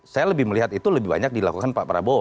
saya lebih melihat itu lebih banyak dilakukan pak prabowo